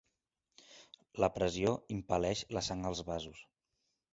La pressió impel·leix la sang als vasos.